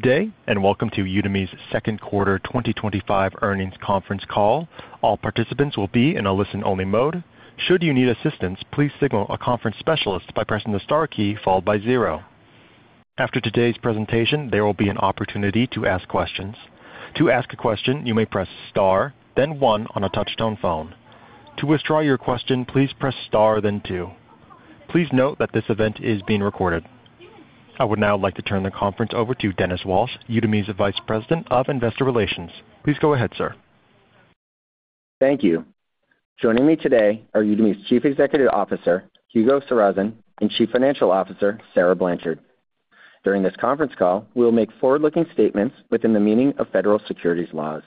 Today, and welcome to Udemy's second quarter 2025 earnings conference call. All participants will be in a listen-only mode. Should you need assistance, please signal a conference specialist by pressing the star key followed by zero. After today's presentation, there will be an opportunity to ask questions. To ask a question, you may press star, then one on a touch-tone phone. To withdraw your question, please press star, then two. Please note that this event is being recorded. I would now like to turn the conference over to Dennis Walsh, Udemy's Vice President of Investor Relations. Please go ahead, sir. Thank you. Joining me today are Udemy's Chief Executive Officer, Hugo Sarrazin, and Chief Financial Officer, Sarah Blanchard. During this conference call, we will make forward-looking statements within the meaning of federal securities laws.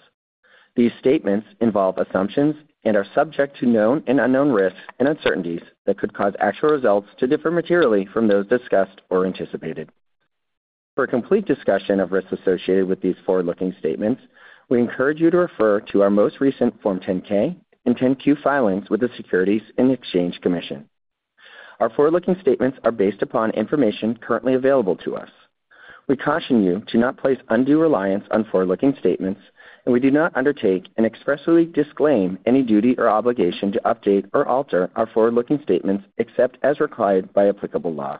These statements involve assumptions and are subject to known and unknown risks and uncertainties that could cause actual results to differ materially from those discussed or anticipated. For a complete discussion of risks associated with these forward-looking statements, we encourage you to refer to our most recent Form 10-K and 10-Q filings with the Securities and Exchange Commission. Our forward-looking statements are based upon information currently available to us. We caution you to not place undue reliance on forward-looking statements, and we do not undertake and expressly disclaim any duty or obligation to update or alter our forward-looking statements except as required by applicable law.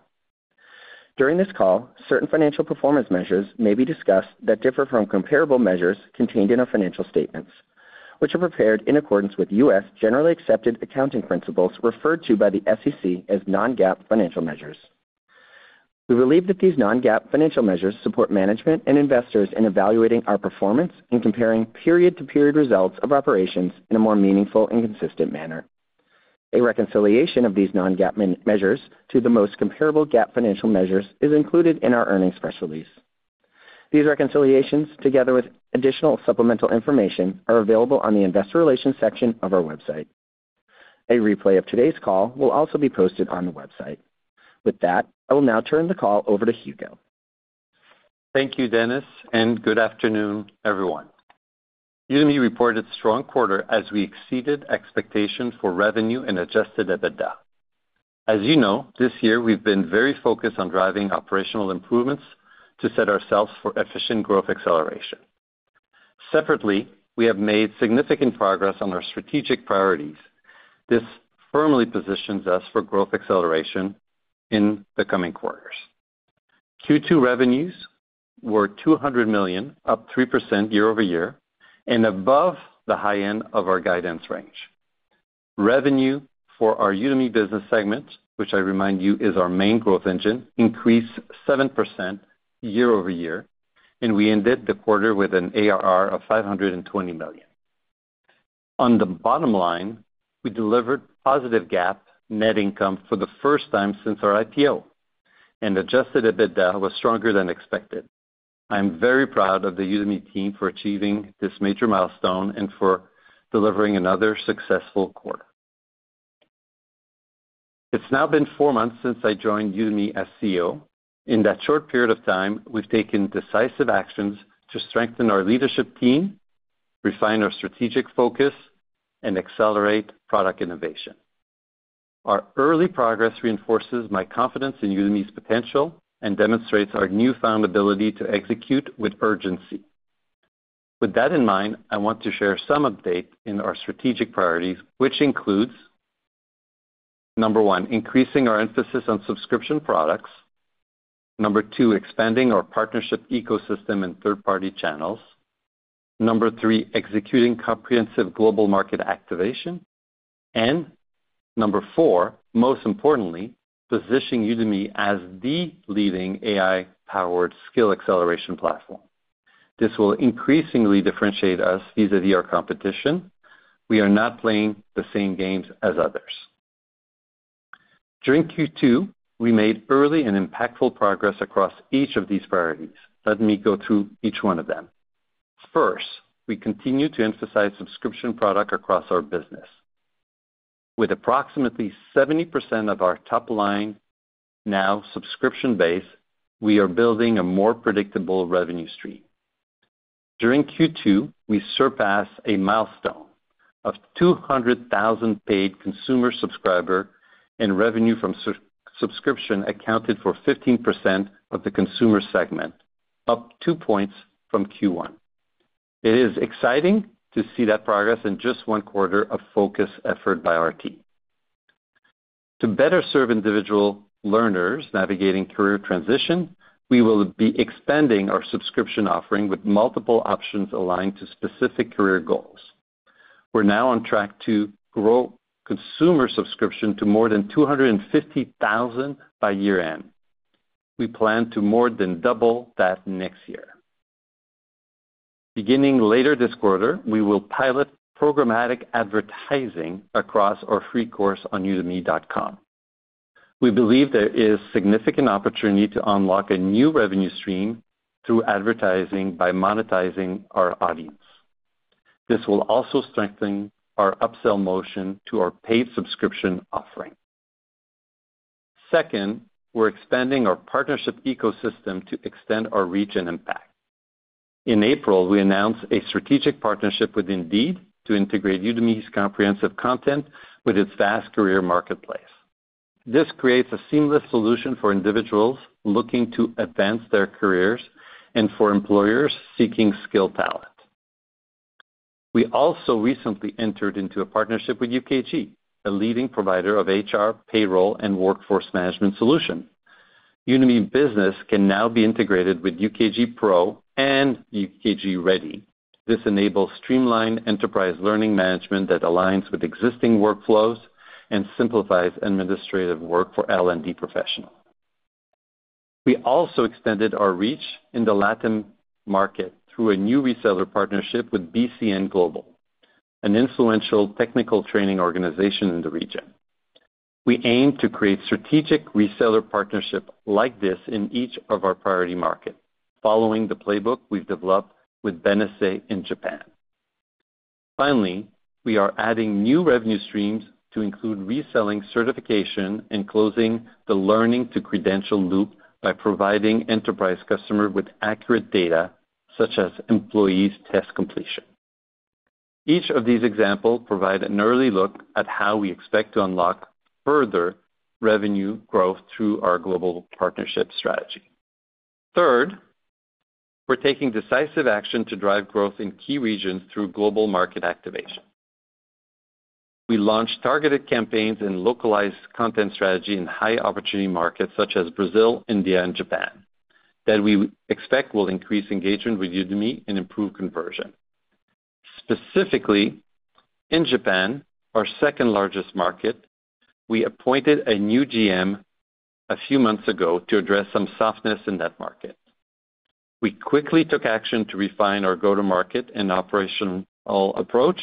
During this call, certain financial performance measures may be discussed that differ from comparable measures contained in our financial statements, which are prepared in accordance with U.S. generally accepted accounting principles referred to by the SEC as non-GAAP financial measures. We believe that these non-GAAP financial measures support management and investors in evaluating our performance and comparing period-to-period results of operations in a more meaningful and consistent manner. A reconciliation of these non-GAAP measures to the most comparable GAAP financial measures is included in our earnings specialties. These reconciliations, together with additional supplemental information, are available on the Investor Relations section of our website. A replay of today's call will also be posted on the website. With that, I will now turn the call over to Hugo. Thank you, Dennis, and good afternoon, everyone. Udemy reported a strong quarter as we exceeded expectations for revenue and adjusted EBITDA. As you know, this year we've been very focused on driving operational improvements to set ourselves for efficient growth acceleration. Separately, we have made significant progress on our strategic priorities. This firmly positions us for growth acceleration in the coming quarters. Q2 revenues were $200 million, up 3% year over year, and above the high end of our guidance range. Revenue for our Udemy Business segment, which I remind you is our main growth engine, increased 7% year over year, and we ended the quarter with an ARR of $520 million. On the bottom line, we delivered positive GAAP net income for the first time since our IPO, and adjusted EBITDA was stronger than expected. I'm very proud of the Udemy team for achieving this major milestone and for delivering another successful quarter. It's now been four months since I joined Udemy as CEO. In that short period of time, we've taken decisive actions to strengthen our leadership team, refine our strategic focus, and accelerate product innovation. Our early progress reinforces my confidence in Udemy's potential and demonstrates our newfound ability to execute with urgency. With that in mind, I want to share some updates in our strategic priorities, which include, number one, increasing our emphasis on subscription products. Number two, expanding our partnership ecosystem and third-party channels. Number three, executing comprehensive global market activation. Number four, most importantly, positioning Udemy as the leading AI-powered skill acceleration platform. This will increasingly differentiate us vis-à-vis our competition. We are not playing the same games as others. During Q2, we made early and impactful progress across each of these priorities. Let me go through each one of them. First, we continue to emphasize subscription products across our business. With approximately 70% of our top line now subscription-based, we are building a more predictable revenue stream. During Q2, we surpassed a milestone of 200,000 paid consumer subscribers, and revenue from subscription accounted for 15% of the consumer segment, up two points from Q1. It is exciting to see that progress in just one quarter of focused effort by our team. To better serve individual learners navigating career transitions, we will be expanding our subscription offering with multiple options aligned to specific career goals. We're now on track to grow consumer subscriptions to more than 250,000 by year-end. We plan to more than double that next year. Beginning later this quarter, we will pilot programmatic advertising across our free course on Udemy.com. We believe there is a significant opportunity to unlock a new revenue stream through advertising by monetizing our audience. This will also strengthen our upsell motion to our paid subscription offering. Second, we're expanding our partnership ecosystem to extend our reach and impact. In April, we announced a strategic partnership with Indeed to integrate Udemy's comprehensive content with its vast career marketplace. This creates a seamless solution for individuals looking to advance their careers and for employers seeking skilled talent. We also recently entered into a partnership with UKG, a leading provider of HR, payroll, and workforce management solutions. Udemy Business can now be integrated with UKG Pro and UKG Ready. This enables streamlined enterprise learning management that aligns with existing workflows and simplifies administrative work for L&D professionals. We also extended our reach in the Latin market through a new reseller partnership with BCN Global, an influential technical training organization in the region. We aim to create strategic reseller partnerships like this in each of our priority markets, following the playbook we've developed with BNSS in Japan. Finally, we are adding new revenue streams to include reselling certifications and closing the learning-to-credential loop by providing enterprise customers with accurate data, such as employee test completion. Each of these examples provides an early look at how we expect to unlock further revenue growth through our global partnership strategy. Third, we're taking decisive action to drive growth in key regions through global market activation. We launched targeted campaigns and localized content strategies in high-opportunity markets such as Brazil, India, and Japan that we expect will increase engagement with Udemy and improve conversion. Specifically, in Japan, our second-largest market, we appointed a new GM a few months ago to address some softness in that market. We quickly took action to refine our go-to-market and operational approach,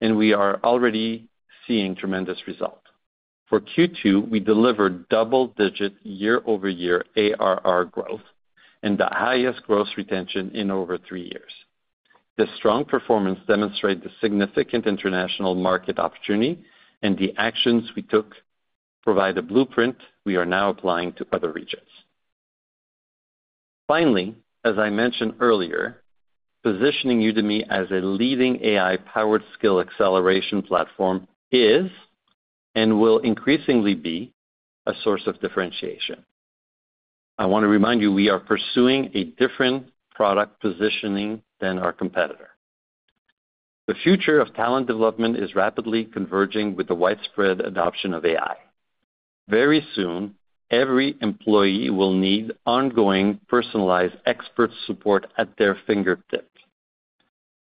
and we are already seeing tremendous results. For Q2, we delivered double-digit year-over-year ARR growth and the highest gross retention in over three years. This strong performance demonstrates the significant international market opportunity, and the actions we took provide a blueprint we are now applying to other regions. Finally, as I mentioned earlier, positioning Udemy as a leading AI-powered skill acceleration platform is and will increasingly be a source of differentiation. I want to remind you we are pursuing a different product positioning than our competitor. The future of talent development is rapidly converging with the widespread adoption of AI. Very soon, every employee will need ongoing personalized expert support at their fingertips.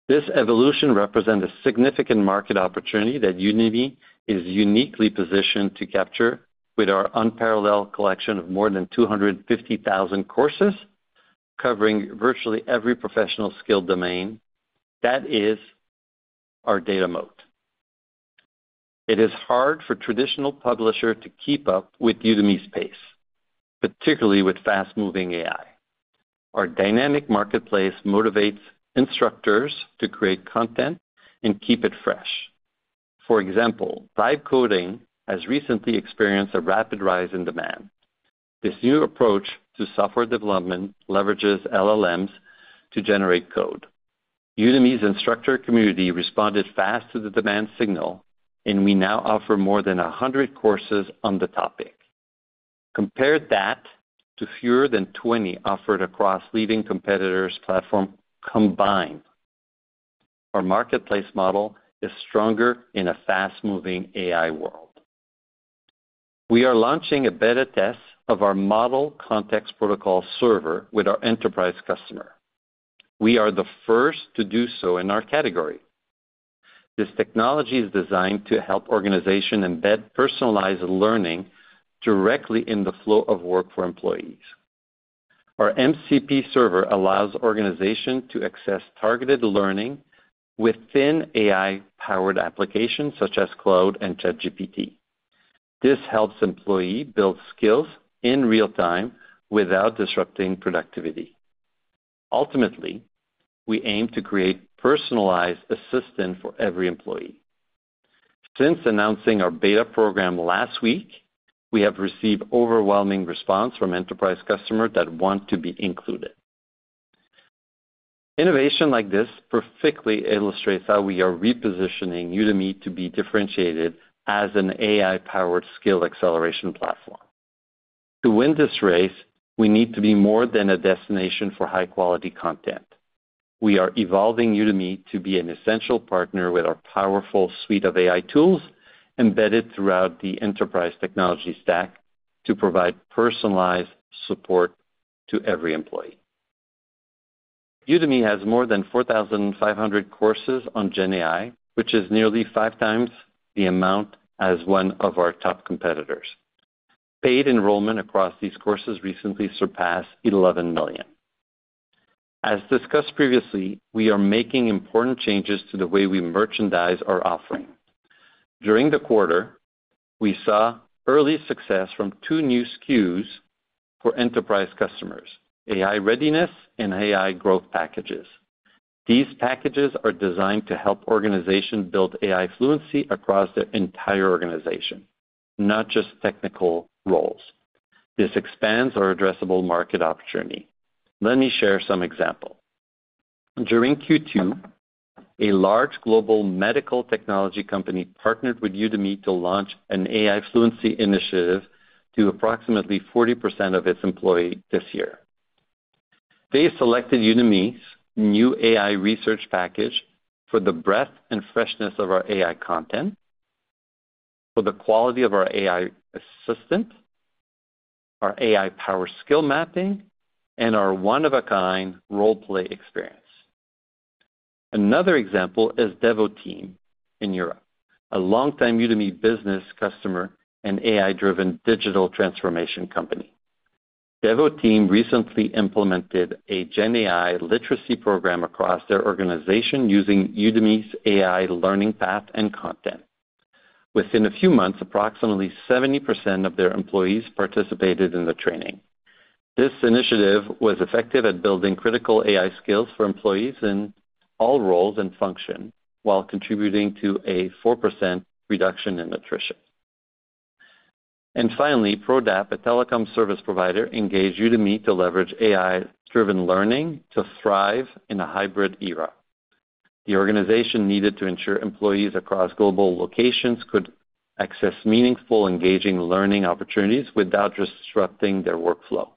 This evolution represents a significant market opportunity that Udemy is uniquely positioned to capture with our unparalleled collection of more than 250,000 courses covering virtually every professional skill domain. That is our data moat. It is hard for traditional publishers to keep up with Udemy's pace, particularly with fast-moving AI. Our dynamic marketplace motivates instructors to create content and keep it fresh. For example, live coding has recently experienced a rapid rise in demand. This new approach to software development leverages LLMs to generate code. Udemy's instructor community responded fast to the demand signal, and we now offer more than 100 courses on the topic. Compare that to fewer than 20 offered across leading competitors' platforms combined. Our marketplace model is stronger in a fast-moving AI world. We are launching a beta test of our Model Context Protocol server with our enterprise customers. We are the first to do so in our category. This technology is designed to help organizations embed personalized learning directly in the flow of work for employees. Our MCP server allows organizations to access targeted learning within AI-powered applications such as Claude and ChatGPT. This helps employees build skills in real time without disrupting productivity. Ultimately, we aim to create a personalized assistant for every employee. Since announcing our beta program last week, we have received an overwhelming response from enterprise customers that want to be included. Innovation like this perfectly illustrates how we are repositioning Udemy to be differentiated as an AI-powered skill acceleration platform. To win this race, we need to be more than a destination for high-quality content. We are evolving Udemy to be an essential partner with our powerful suite of AI tools embedded throughout the enterprise technology stack to provide personalized support to every employee. Udemy has more than 4,500 courses on GenAI, which is nearly five times the amount as one of our top competitors. Paid enrollment across these courses recently surpassed $11 million. As discussed previously, we are making important changes to the way we merchandise our offering. During the quarter, we saw early success from two new SKUs for enterprise customers: AI Readiness and AI Growth packages. These packages are designed to help organizations build AI fluency across their entire organization, not just technical roles. This expands our addressable market opportunity. Let me share some examples. During Q2, a large global medical technology company partnered with Udemy to launch an AI fluency initiative to approximately 40% of its employees this year. They selected Udemy's new AI research package for the breadth and freshness of our AI content, for the quality of our AI assistant, our AI-powered skill mapping, and our one-of-a-kind role-play experience. Another example is Devoteam in Europe, a long-time Udemy Business customer and AI-driven digital transformation company. Devoteam recently implemented a GenAI literacy program across their organization using Udemy's AI learning path and content. Within a few months, approximately 70% of their employees participated in the training. This initiative was effective at building critical AI skills for employees in all roles and functions, while contributing to a 4% reduction in attrition. Finally, Prodap, a telecom service provider, engaged Udemy to leverage AI-driven learning to thrive in a hybrid era. The organization needed to ensure employees across global locations could access meaningful, engaging learning opportunities without disrupting their workflow.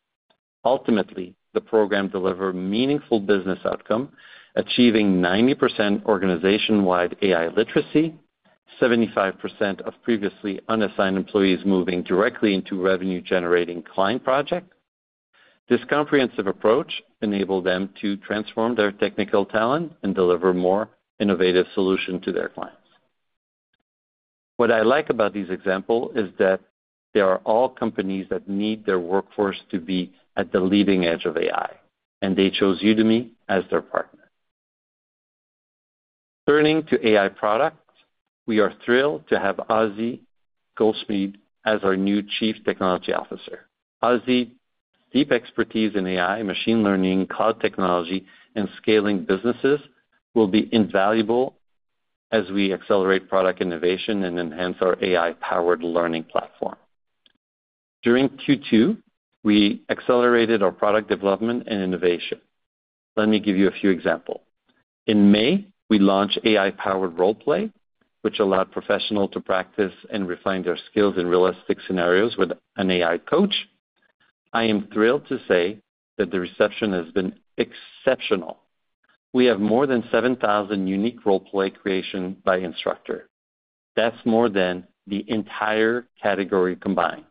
Ultimately, the program delivered meaningful business outcomes, achieving 90% organization-wide AI literacy, 75% of previously unassigned employees moving directly into revenue-generating client projects. This comprehensive approach enabled them to transform their technical talent and deliver more innovative solutions to their clients. What I like about these examples is that they are all companies that need their workforce to be at the leading edge of AI, and they chose Udemy as their partner. Turning to AI products, we are thrilled to have Azi Goldschmied as our new Chief Technology Officer. Azi's deep expertise in AI, machine learning, cloud technology, and scaling businesses will be invaluable as we accelerate product innovation and enhance our AI-powered learning platform. During Q2, we accelerated our product development and innovation. Let me give you a few examples. In May, we launched AI-powered role-play, which allowed professionals to practice and refine their skills in realistic scenarios with an AI coach. I am thrilled to say that the reception has been exceptional. We have more than 7,000 unique role-play creations by instructors. That's more than the entire category combined.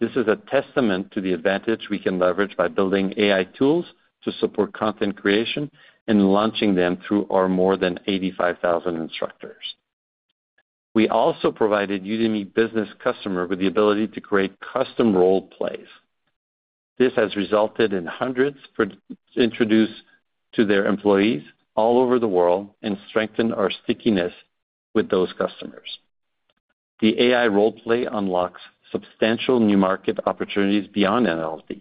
This is a testament to the advantages we can leverage by building AI tools to support content creation and launching them through our more than 85,000 instructors. We also provided Udemy Business customers with the ability to create custom role-plays. This has resulted in hundreds introduced to their employees all over the world and strengthened our stickiness with those customers. The AI role-play unlocks substantial new market opportunities beyond NLD.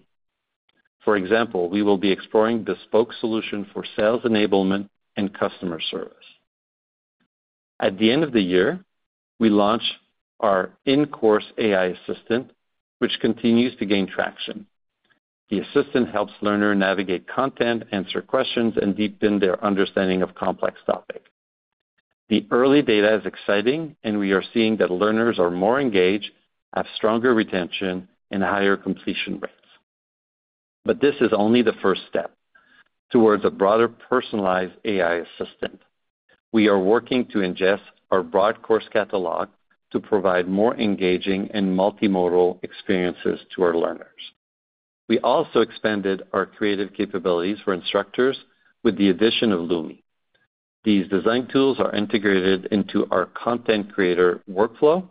For example, we will be exploring a bespoke solution for sales enablement and customer service. At the end of the year, we launched our in-course AI assistant, which continues to gain traction. The assistant helps learners navigate content, answer questions, and deepen their understanding of complex topics. The early data is exciting, and we are seeing that learners are more engaged, have stronger retention, and higher completion rates. This is only the first step towards a broader personalized AI assistant. We are working to ingest our broad course catalog to provide more engaging and multimodal experiences to our learners. We also expanded our creative capabilities for instructors with the addition of Lumi. These design tools are integrated into our content creator workflow,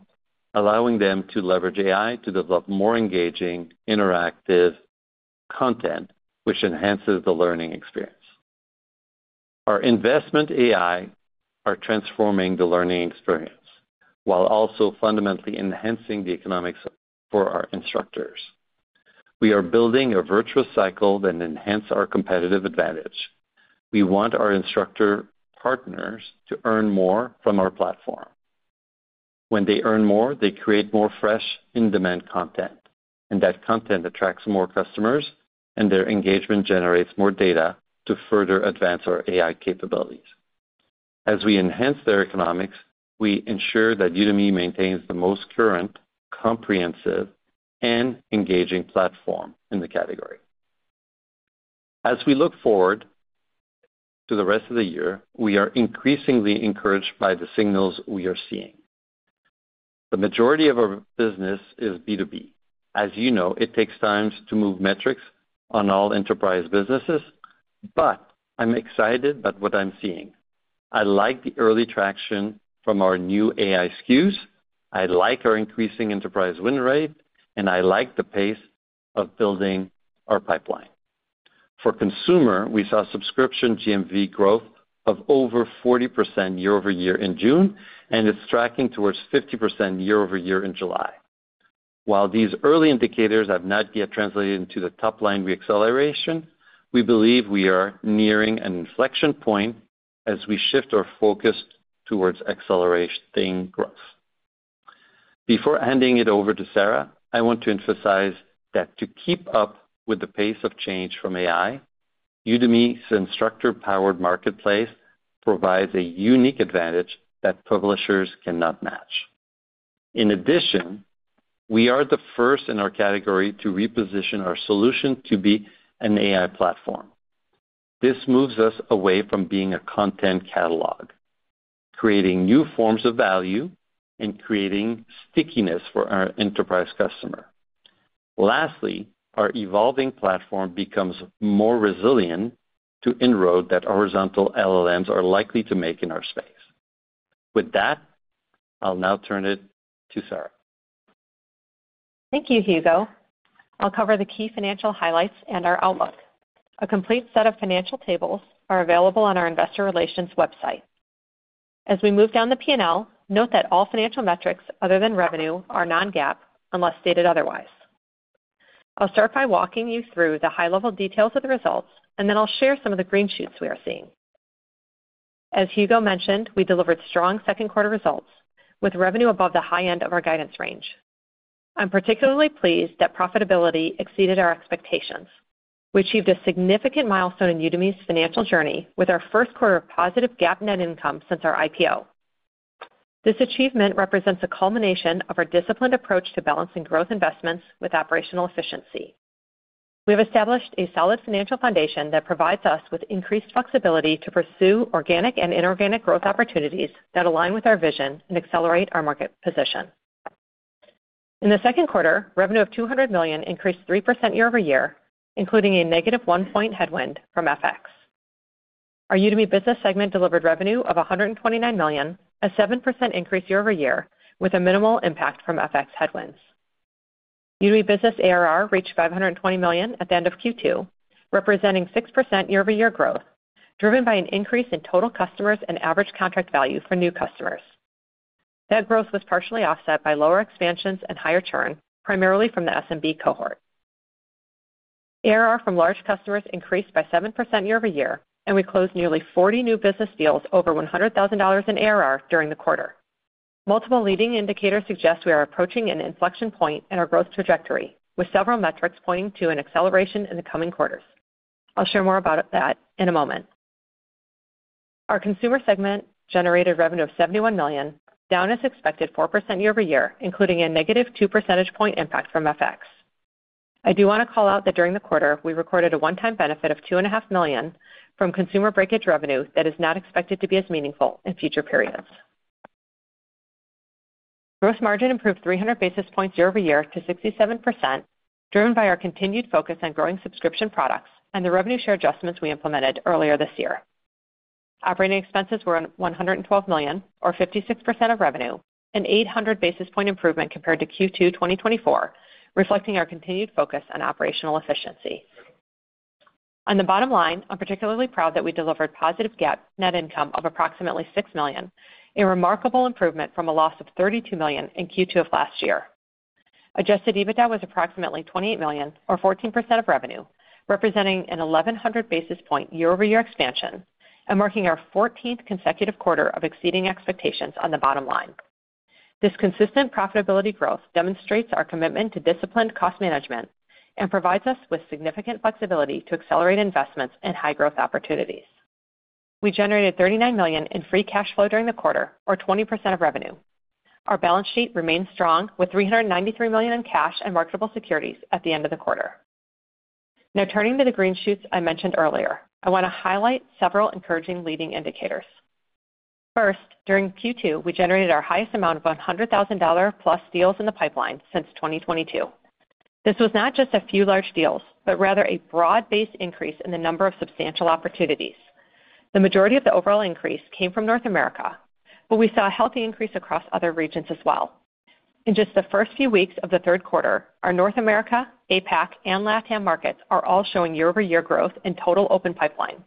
allowing them to leverage AI to develop more engaging, interactive content, which enhances the learning experience. Our investment in AI is transforming the learning experience while also fundamentally enhancing the economics for our instructors. We are building a virtuous cycle that enhances our competitive advantage. We want our instructor partners to earn more from our platform. When they earn more, they create more fresh, in-demand content, and that content attracts more customers, and their engagement generates more data to further advance our AI capabilities. As we enhance their economics, we ensure that Udemy maintains the most current, comprehensive, and engaging platform in the category. As we look forward to the rest of the year, we are increasingly encouraged by the signals we are seeing. The majority of our business is B2B. As you know, it takes time to move metrics on all enterprise businesses, but I'm excited about what I'm seeing. I like the early traction from our new AI SKUs. I like our increasing enterprise win rate, and I like the pace of building our pipeline. For consumers, we saw subscription GMV growth of over 40% year over year in June, and it's tracking towards 50% year over year in July. While these early indicators have not yet translated into the top line re-acceleration, we believe we are nearing an inflection point as we shift our focus towards accelerating growth. Before handing it over to Sarah, I want to emphasize that to keep up with the pace of change from AI, Udemy's instructor-powered marketplace provides a unique advantage that publishers cannot match. In addition, we are the first in our category to reposition our solution to be an AI platform. This moves us away from being a content catalog, creating new forms of value, and creating stickiness for our enterprise customers. Lastly, our evolving platform becomes more resilient to the inroads that horizontal LLMs are likely to make in our space. With that, I'll now turn it to Sarah. Thank you, Hugo. I'll cover the key financial highlights and our outlook. A complete set of financial tables is available on our Investor Relations website. As we move down the P&L, note that all financial metrics other than revenue are non-GAAP unless stated otherwise. I'll start by walking you through the high-level details of the results, and then I'll share some of the green shoots we are seeing. As Hugo mentioned, we delivered strong second-quarter results with revenue above the high end of our guidance range. I'm particularly pleased that profitability exceeded our expectations. We achieved a significant milestone in Udemy's financial journey with our first quarter of positive GAAP net income since our IPO. This achievement represents a culmination of our disciplined approach to balancing growth investments with operational efficiency. We have established a solid financial foundation that provides us with increased flexibility to pursue organic and inorganic growth opportunities that align with our vision and accelerate our market position. In the second quarter, revenue of $200 million increased 3% year over year, including a negative one-point headwind from FX. Our Udemy Business segment delivered revenue of $129 million, a 7% increase year over year with a minimal impact from FX headwinds. Udemy Business ARR reached $520 million at the end of Q2, representing 6% year-over-year growth, driven by an increase in total customers and average contract value for new customers. That growth was partially offset by lower expansions and higher churn, primarily from the SMB cohort. ARR from large customers increased by 7% year over year, and we closed nearly 40 new business deals over $100,000 in ARR during the quarter. Multiple leading indicators suggest we are approaching an inflection point in our growth trajectory, with several metrics pointing to an acceleration in the coming quarters. I'll share more about that in a moment. Our consumer segment generated revenue of $71 million, down as expected 4% year over year, including a negative two percentage point impact from FX. I do want to call out that during the quarter, we recorded a one-time benefit of $2.5 million from consumer breakage revenue that is not expected to be as meaningful in future periods. Gross margin improved 300 basis points year over year to 67%, driven by our continued focus on growing subscription products and the revenue share adjustments we implemented earlier this year. Operating expenses were at $112 million, or 56% of revenue, an 800 basis point improvement compared to Q2 2024, reflecting our continued focus on operational efficiency. On the bottom line, I'm particularly proud that we delivered positive GAAP net income of approximately $6 million, a remarkable improvement from a loss of $32 million in Q2 of last year. Adjusted EBITDA was approximately $28 million, or 14% of revenue, representing a 1,100 basis point year-over-year expansion and marking our 14th consecutive quarter of exceeding expectations on the bottom line. This consistent profitability growth demonstrates our commitment to disciplined cost management and provides us with significant flexibility to accelerate investments in high-growth opportunities. We generated $39 million in free cash flow during the quarter, or 20% of revenue. Our balance sheet remains strong with $393 million in cash and marketable securities at the end of the quarter. Now, turning to the green shoots I mentioned earlier, I want to highlight several encouraging leading indicators. First, during Q2, we generated our highest amount of $100,000-plus deals in the pipeline since 2022. This was not just a few large deals, but rather a broad-based increase in the number of substantial opportunities. The majority of the overall increase came from North America, but we saw a healthy increase across other regions as well. In just the first few weeks of the third quarter, our North America, APAC, and LATAM markets are all showing year-over-year growth in total open pipeline.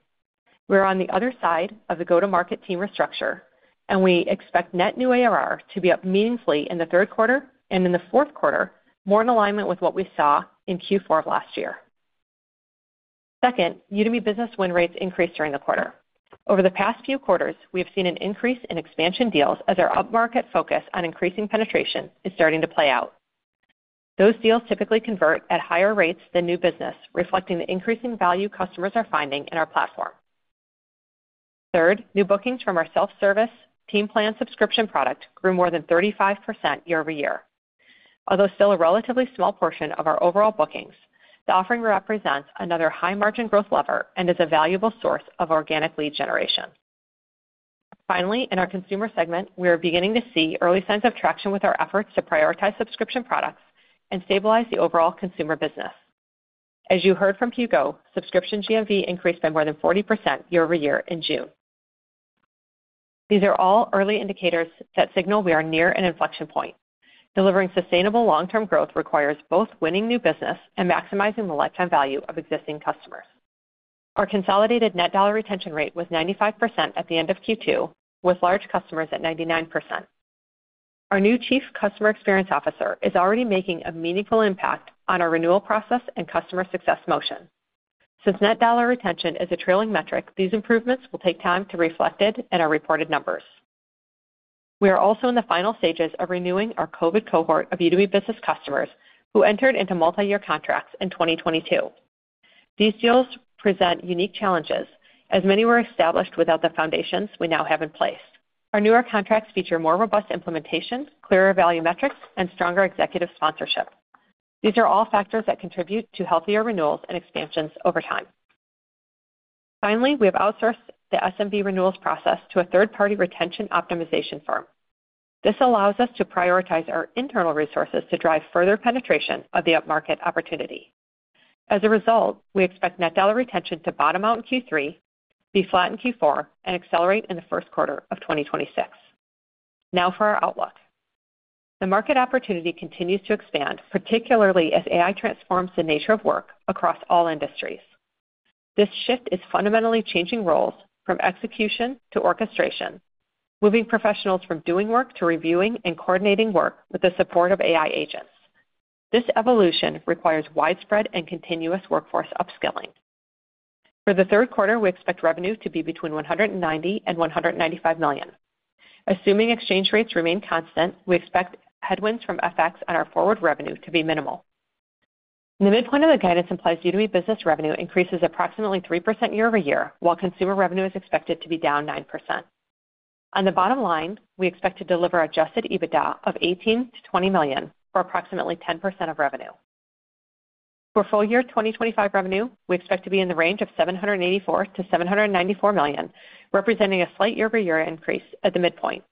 We're on the other side of the go-to-market team restructure, and we expect net new ARR to be up meaningfully in the third quarter and in the fourth quarter, more in alignment with what we saw in Q4 of last year. Second, Udemy Business win rates increased during the quarter. Over the past few quarters, we have seen an increase in expansion deals as our upmarket focus on increasing penetration is starting to play out. Those deals typically convert at higher rates than new business, reflecting the increasing value customers are finding in our platform. Third, new bookings from our self-service team plan subscription product grew more than 35% year over year. Although still a relatively small portion of our overall bookings, the offering represents another high-margin growth lever and is a valuable source of organic lead generation. Finally, in our consumer segment, we are beginning to see early signs of traction with our efforts to prioritize subscription products and stabilize the overall consumer business. As you heard from Hugo, subscription GMV increased by more than 40% year over year in June. These are all early indicators that signal we are near an inflection point. Delivering sustainable long-term growth requires both winning new business and maximizing the lifetime value of existing customers. Our consolidated net dollar retention rate was 95% at the end of Q2, with large customers at 99%. Our new Chief Customer Experience Officer is already making a meaningful impact on our renewal process and customer success motion. Since net dollar retention is a trailing metric, these improvements will take time to be reflected in our reported numbers. We are also in the final stages of renewing our COVID cohort of Udemy Business customers who entered into multi-year contracts in 2022. These deals present unique challenges, as many were established without the foundations we now have in place. Our newer contracts feature more robust implementation, clearer value metrics, and stronger executive sponsorship. These are all factors that contribute to healthier renewals and expansions over time. Finally, we have outsourced the SMB renewals process to a third-party retention optimization firm. This allows us to prioritize our internal resources to drive further penetration of the upmarket opportunity. As a result, we expect net dollar retention to bottom out in Q3, be flat in Q4, and accelerate in the first quarter of 2026. Now for our outlook. The market opportunity continues to expand, particularly as AI transforms the nature of work across all industries. This shift is fundamentally changing roles from execution to orchestration, moving professionals from doing work to reviewing and coordinating work with the support of AI agents. This evolution requires widespread and continuous workforce upskilling. For the third quarter, we expect revenue to be between $190 million and $195 million. Assuming exchange rates remain constant, we expect headwinds from FX and our forward revenue to be minimal. The midpoint of the guidance implies Udemy Business revenue increases approximately 3% year over year, while consumer revenue is expected to be down 9%. On the bottom line, we expect to deliver an adjusted EBITDA of $18 million to $20 million for approximately 10% of revenue. For full-year 2025 revenue, we expect to be in the range of $784-$794 million, representing a slight year-over-year increase at the midpoint.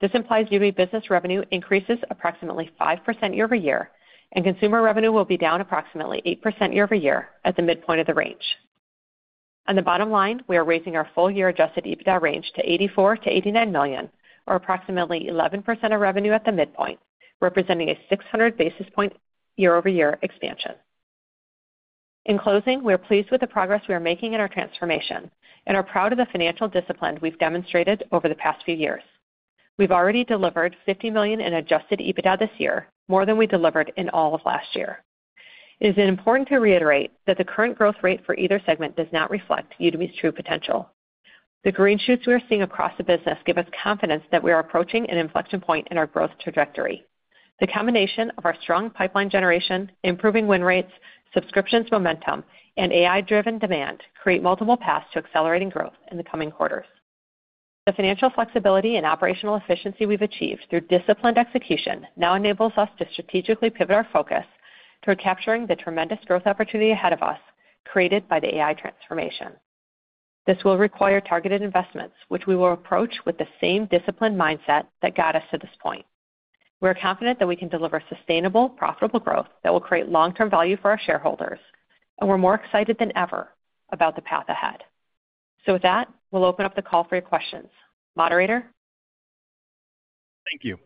This implies Udemy Business revenue increases approximately 5% year over year, and consumer revenue will be down approximately 8% year over year at the midpoint of the range. On the bottom line, we are raising our full-year adjusted EBITDA range to $84-$89 million, or approximately 11% of revenue at the midpoint, representing a 600 basis point year-over-year expansion. In closing, we are pleased with the progress we are making in our transformation and are proud of the financial discipline we've demonstrated over the past few years. We've already delivered $50 million in adjusted EBITDA this year, more than we delivered in all of last year. It is important to reiterate that the current growth rate for either segment does not reflect Udemy's true potential. The green shoots we are seeing across the business give us confidence that we are approaching an inflection point in our growth trajectory. The combination of our strong pipeline generation, improving win rates, subscriptions momentum, and AI-driven demand create multiple paths to accelerating growth in the coming quarters. The financial flexibility and operational efficiency we've achieved through disciplined execution now enables us to strategically pivot our focus toward capturing the tremendous growth opportunity ahead of us created by the AI transformation. This will require targeted investments, which we will approach with the same disciplined mindset that got us to this point. We're confident that we can deliver sustainable, profitable growth that will create long-term value for our shareholders, and we're more excited than ever about the path ahead. With that, we'll open up the call for your questions. Moderator? Thank you.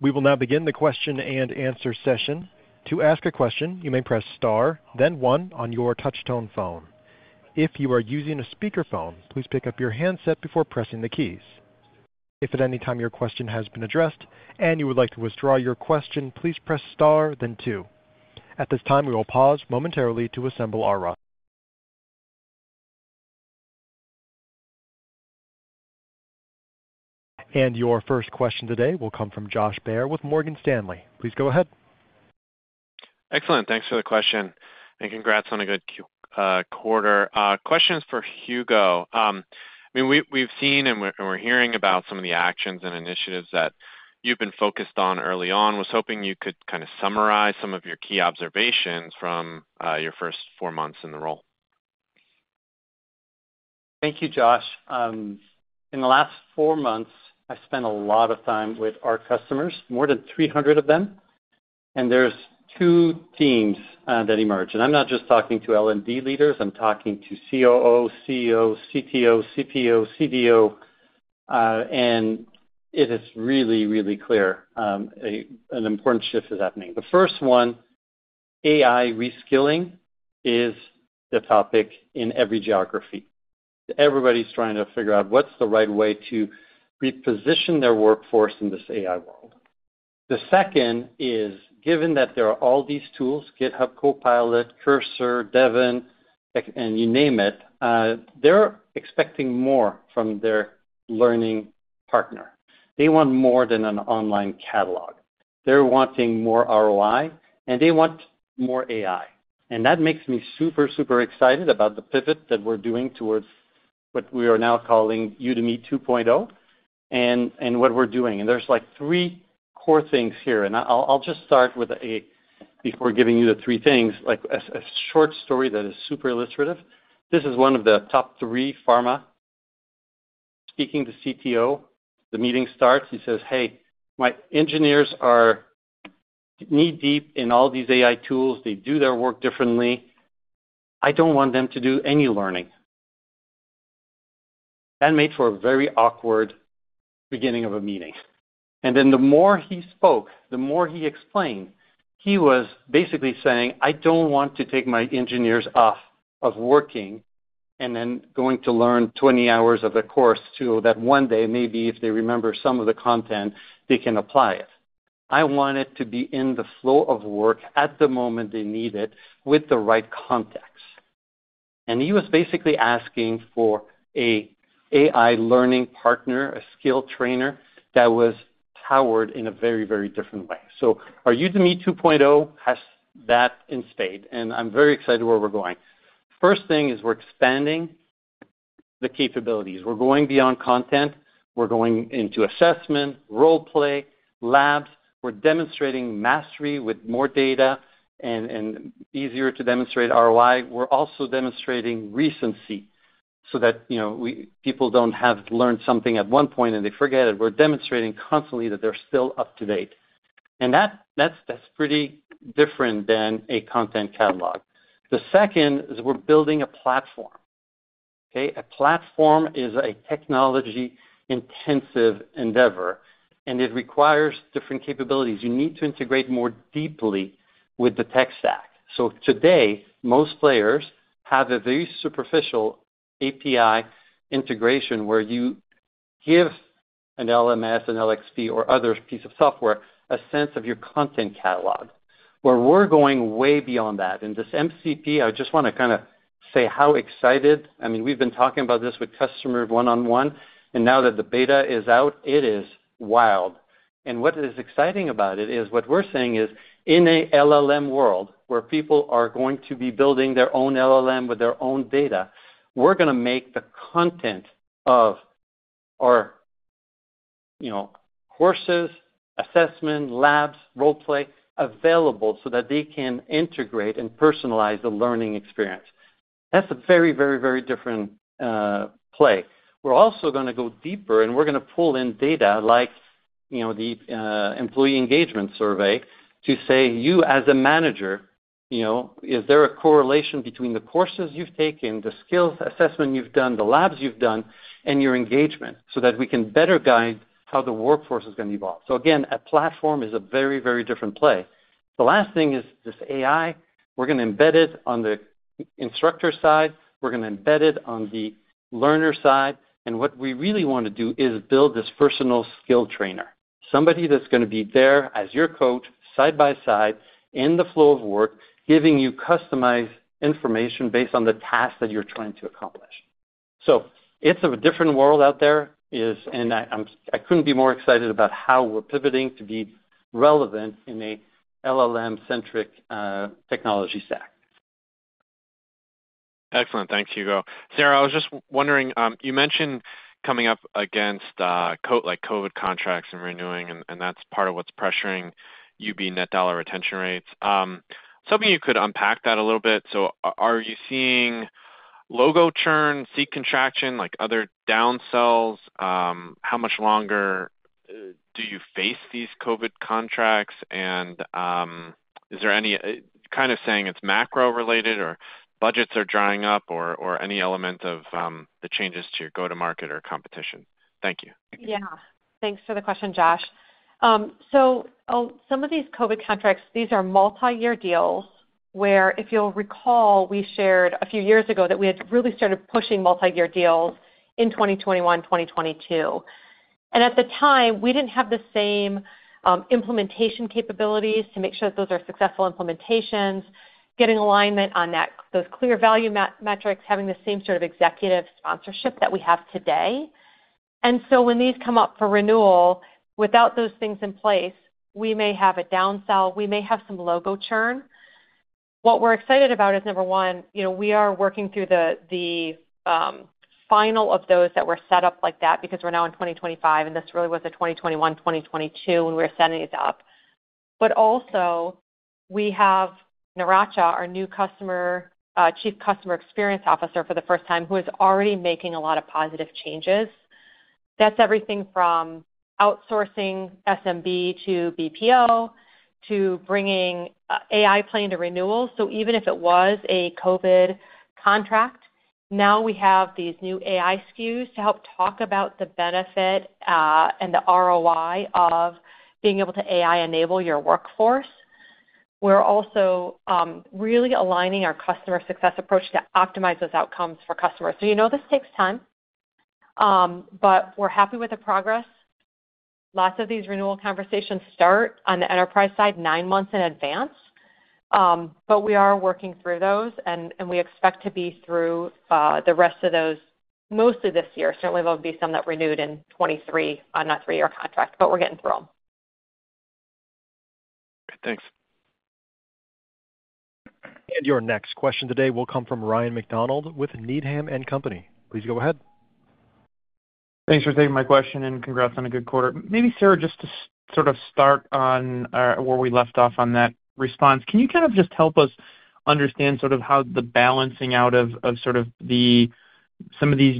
We will now begin the question and answer session. To ask a question, you may press star, then one on your touch-tone phone. If you are using a speaker phone, please pick up your handset before pressing the keys. If at any time your question has been addressed and you would like to withdraw your question, please press star, then two. At this time, we will pause momentarily to assemble our audience. Your first question today will come from Josh Baer with Morgan Stanley. Please go ahead. Excellent. Thanks for the question and congrats on a good quarter. Question is for Hugo. We've seen and we're hearing about some of the actions and initiatives that you've been focused on early on. I was hoping you could kind of summarize some of your key observations from your first four months in the role. Thank you, Josh. In the last four months, I spent a lot of time with our customers, more than 300 of them. There are two themes that emerge. I'm not just talking to L&D leaders. I'm talking to COO, CEO, CTO, CPO, CDO. It's really, really clear an important shift is happening. The first one, AI reskilling, is the topic in every geography. Everybody's trying to figure out what's the right way to reposition their workforce in this AI world. The second is, given that there are all these tools, GitHub Copilot, Cursor, Devin, and you name it, they're expecting more from their learning partner. They want more than an online catalog. They're wanting more ROI, and they want more AI. That makes me super, super excited about the pivot that we're doing towards what we are now calling Udemy 2.0 and what we're doing. There are three core things here. I'll just start with, before giving you the three things, a short story that is super illustrative. This is one of the top three pharma. Speaking to CTO, the meeting starts. He says, "Hey, my engineers are knee-deep in all these AI tools. They do their work differently. I don't want them to do any learning." That made for a very awkward beginning of a meeting. The more he spoke, the more he explained, he was basically saying, "I don't want to take my engineers off of working and then going to learn 20 hours of a course so that one day, maybe if they remember some of the content, they can apply it. I want it to be in the flow of work at the moment they need it with the right context." He was basically asking for an AI learning partner, a skilled trainer that was powered in a very, very different way. Our Udemy 2.0 has that in spades, and I'm very excited where we're going. First thing is we're expanding the capabilities. We're going beyond content. We're going into assessment, role-play, labs. We're demonstrating mastery with more data and easier to demonstrate ROI. We're also demonstrating recency so that people don't have learned something at one point and they forget it. We're demonstrating constantly that they're still up to date. That's pretty different than a content catalog. The second is we're building a platform. A platform is a technology-intensive endeavor, and it requires different capabilities. You need to integrate more deeply with the tech stack. Today, most players have a very superficial API integration where you give an LMS, an LXP, or other piece of software a sense of your content catalog. We're going way beyond that. In this Model Context Protocol, I just want to say how excited I am. We've been talking about this with customers one-on-one, and now that the beta is out, it is wild. What is exciting about it is what we're saying is in an LLM world where people are going to be building their own LLM with their own data, we're going to make the content of our courses, assessment, labs, and role-play available so that they can integrate and personalize the learning experience. That's a very, very, very different play. We're also going to go deeper, and we're going to pull in data like the employee engagement survey to say, you as a manager, is there a correlation between the courses you've taken, the skills assessment you've done, the labs you've done, and your engagement so that we can better guide how the workforce is going to evolve? Again, a platform is a very, very different play. The last thing is this AI. We're going to embed it on the instructor side. We're going to embed it on the learner side. What we really want to do is build this personal skill trainer, somebody that's going to be there as your coach, side by side, in the flow of work, giving you customized information based on the task that you're trying to accomplish. It's a different world out there, and I couldn't be more excited about how we're pivoting to be relevant in an LLM-centric technology stack. Excellent. Thanks, Hugo. Sarah, I was just wondering, you mentioned coming up against legacy COVID-era contracts and renewing, and that's part of what's pressuring Udemy Business net dollar retention rates. I was hoping you could unpack that a little bit. Are you seeing logo churn, seat contraction, like other downsells? How much longer do you face these legacy COVID-era contracts? Is there any kind of saying it's macro-related or budgets are drying up or any element of the changes to your go-to-market or competition? Thank you. Yeah. Thanks for the question, Josh. Some of these COVID contracts are multi-year deals where, if you'll recall, we shared a few years ago that we had really started pushing multi-year deals in 2021, 2022. At the time, we didn't have the same implementation capabilities to make sure that those are successful implementations, getting alignment on those clear value metrics, having the same sort of executive sponsorship that we have today. When these come up for renewal, without those things in place, we may have a downsell. We may have some logo churn. What we're excited about is, number one, we are working through the final of those that were set up like that because we're now in 2025, and this really was a 2021, 2022 when we were setting it up. We also have Naracha, our new Chief Customer Experience Officer, for the first time, who is already making a lot of positive changes. That's everything from outsourcing SMB to BPO to bringing AI plane to renewal. Even if it was a COVID contract, now we have these new AI SKUs to help talk about the benefit and the ROI of being able to AI-enable your workforce. We're also really aligning our customer success approach to optimize those outcomes for customers. You know this takes time, but we're happy with the progress. Lots of these renewal conversations start on the enterprise side nine months in advance, but we are working through those, and we expect to be through the rest of those mostly this year. Certainly, there will be some that renewed in 2023 on a three-year contract, but we're getting through them. Thanks. Your next question today will come from Ryan MacDonald with Needham & Company. Please go ahead. Thanks for taking my question and congrats on a good quarter. Sarah, just to sort of start on where we left off on that response, can you kind of just help us understand sort of how the balancing out of some of these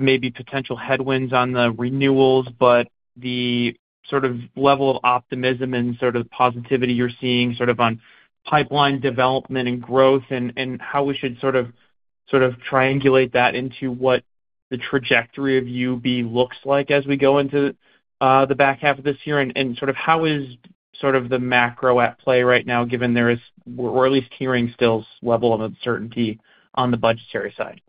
maybe potential headwinds on the renewals, but the level of optimism and positivity you're seeing on pipeline development and growth and how we should triangulate that into what the trajectory of UB looks like as we go into the back half of this year? How is the macro at play right now given there is, we're at least hearing still level of uncertainty on the budgetary side?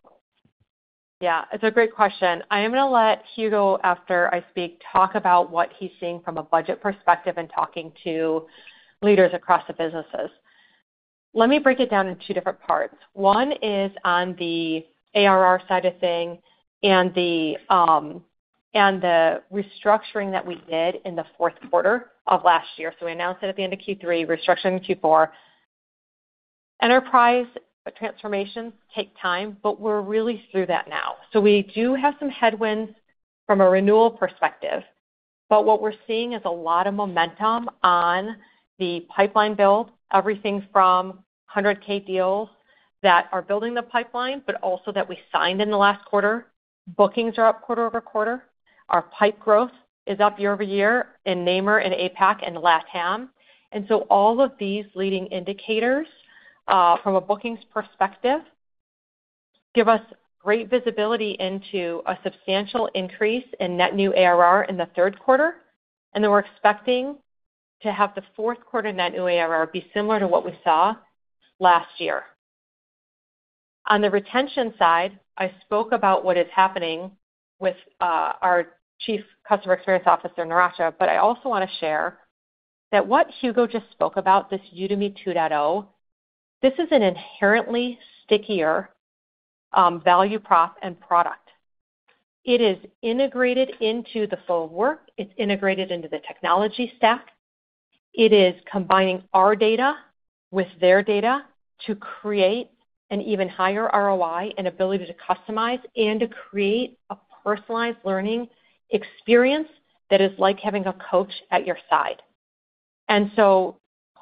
Yeah, it's a great question. I am going to let Hugo, after I speak, talk about what he's seeing from a budget perspective and talking to leaders across the businesses. Let me break it down into two different parts. One is on the ARR side of things and the restructuring that we did in the fourth quarter of last year. We announced it at the end of Q3, restructuring in Q4. Enterprise transformations take time, but we're really through that now. We do have some headwinds from a renewal perspective, but what we're seeing is a lot of momentum on the pipeline build, everything from $100,000 deals that are building the pipeline, but also that we signed in the last quarter. Bookings are up quarter over quarter. Our pipe growth is up year over year in NAMER, in APAC, and LATAM. All of these leading indicators from a bookings perspective give us great visibility into a substantial increase in net new ARR in the third quarter. We're expecting to have the fourth quarter net new ARR be similar to what we saw last year. On the retention side, I spoke about what is happening with our Chief Customer Experience Officer, Naracha, but I also want to share that what Hugo just spoke about, this Udemy 2.0, this is an inherently stickier value prop and product. It is integrated into the full work. It's integrated into the technology stack. It is combining our data with their data to create an even higher ROI and ability to customize and to create a personalized learning experience that is like having a coach at your side.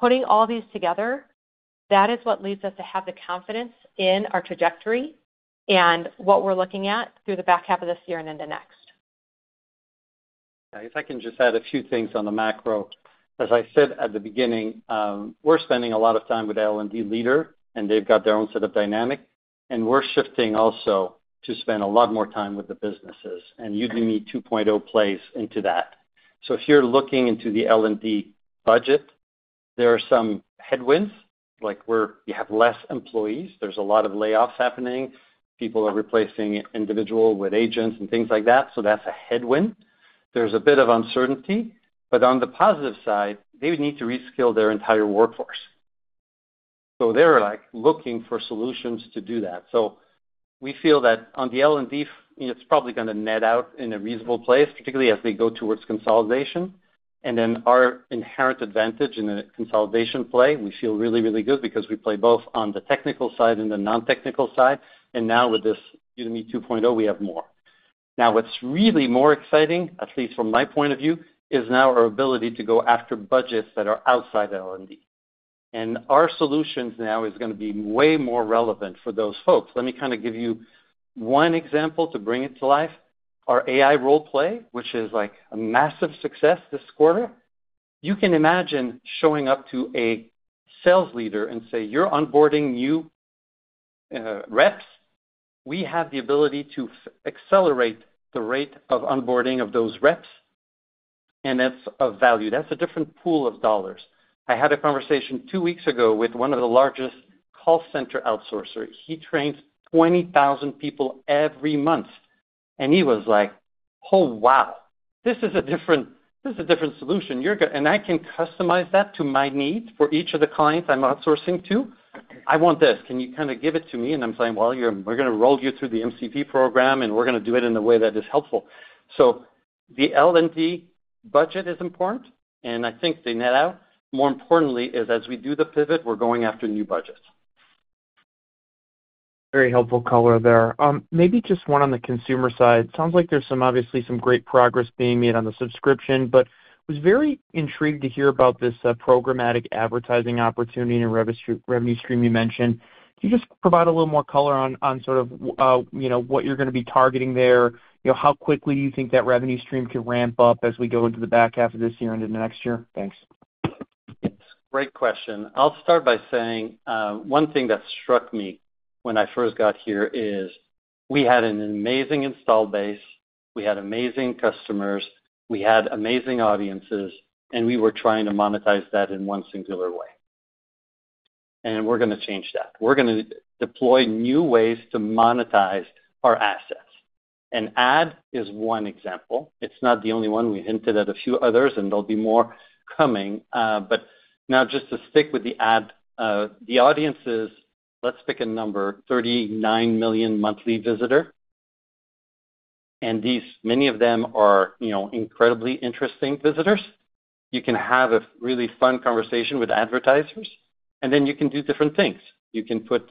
Putting all these together, that is what leads us to have the confidence in our trajectory and what we're looking at through the back half of this year and into next. If I can just add a few things on the macro. As I said at the beginning, we're spending a lot of time with the L&D leader, and they've got their own set of dynamics. We're shifting also to spend a lot more time with the businesses, and Udemy 2.0 plays into that. If you're looking into the L&D budget, there are some headwinds, like you have fewer employees. There's a lot of layoffs happening. People are replacing individuals with agents and things like that. That's a headwind. There's a bit of uncertainty. On the positive side, they would need to reskill their entire workforce, so they're looking for solutions to do that. We feel that on the L&D, it's probably going to net out in a reasonable place, particularly as they go towards consolidation. Our inherent advantage in the consolidation play, we feel really, really good because we play both on the technical side and the non-technical side. Now with this Udemy 2.0, we have more. What's really more exciting, at least from my point of view, is now our ability to go after budgets that are outside L&D. Our solutions now are going to be way more relevant for those folks. Let me kind of give you one example to bring it to life. Our AI role-play, which is a massive success this quarter, you can imagine showing up to a sales leader and saying, "You're onboarding new reps." We have the ability to accelerate the rate of onboarding of those reps, and that's of value. That's a different pool of dollars. I had a conversation two weeks ago with one of the largest call center outsourcers. He trains 20,000 people every month, and he was like, "Oh, wow. This is a different solution." I can customize that to my needs for each of the clients I'm outsourcing to. I want this. Can you kind of give it to me?" I'm saying, "We're going to roll you through the MCP program, and we're going to do it in a way that is helpful." The L&D budget is important, and I think they net out. More importantly, as we do the pivot, we're going after new budgets. Very helpful color there. Maybe just one on the consumer side. It sounds like there's obviously some great progress being made on the subscription, but I was very intrigued to hear about this programmatic advertising opportunity and revenue stream you mentioned. Can you just provide a little more color on sort of what you're going to be targeting there? How quickly do you think that revenue stream could ramp up as we go into the back half of this year and into next year? Thanks. Yes, great question. I'll start by saying one thing that struck me when I first got here is we had an amazing install base. We had amazing customers. We had amazing audiences, and we were trying to monetize that in one singular way. We're going to change that. We're going to deploy new ways to monetize our assets. An ad is one example. It's not the only one. We hinted at a few others, and there'll be more coming. Now just to stick with the ad, the audiences, let's pick a number, 39 million monthly visitors. Many of them are incredibly interesting visitors. You can have a really fun conversation with advertisers, and then you can do different things. You can put,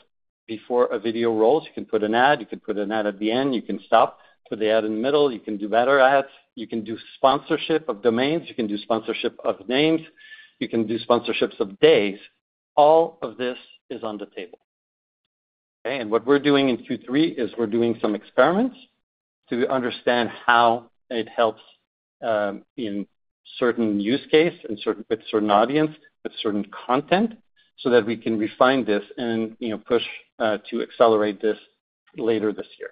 before a video rolls, you can put an ad. You can put an ad at the end. You can stop, put the ad in the middle. You can do better ads. You can do sponsorship of domains. You can do sponsorship of names. You can do sponsorships of days. All of this is on the table. What we're doing in Q3 is we're doing some experiments to understand how it helps in certain use cases and with certain audiences, with certain content, so that we can refine this and push to accelerate this later this year.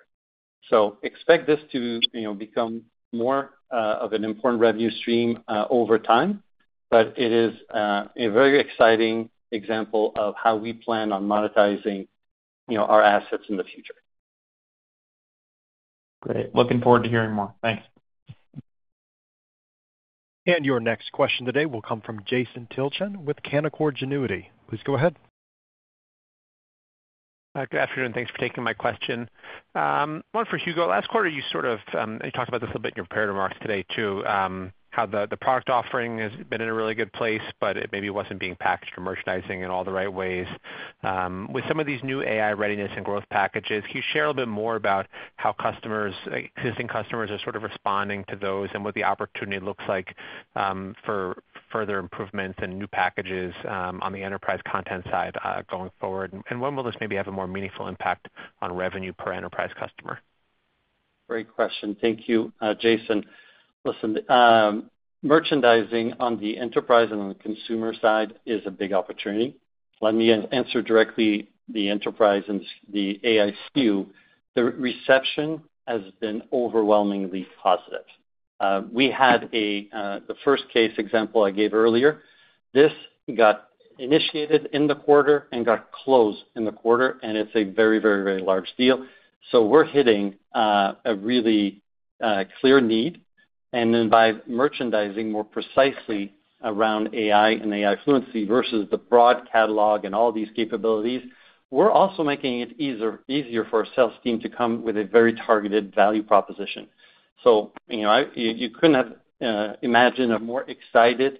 Expect this to become more of an important revenue stream over time, but it is a very exciting example of how we plan on monetizing our assets in the future. Great. Looking forward to hearing more. Thanks. Your next question today will come from Jason Tilchen with Canaccord Genuity. Please go ahead. Good afternoon. Thanks for taking my question. One for Hugo. Last quarter, you sort of talked about this a little bit in your prior remarks today too, how the product offering has been in a really good place, but it maybe wasn't being packaged or merchandised in all the right ways. With some of these new AI Readiness and AI Growth packages, can you share a little bit more about how existing customers are sort of responding to those and what the opportunity looks like for further improvements and new packages on the enterprise content side going forward? When will this maybe have a more meaningful impact on revenue per enterprise customer? Great question. Thank you, Jason. Listen, merchandising on the enterprise and on the consumer side is a big opportunity. Let me answer directly the enterprise and the AI SKU. The reception has been overwhelmingly positive. We had the first case example I gave earlier. This got initiated in the quarter and got closed in the quarter, and it's a very, very, very large deal. We are hitting a really clear need. By merchandising more precisely around AI and AI fluency versus the broad catalog and all these capabilities, we are also making it easier for a sales team to come with a very targeted value proposition. You couldn't have imagined a more excited